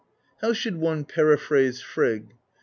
How should one periphrase Frigg